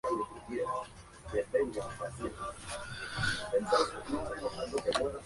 Adams fue catalogado como terrorista por Londres.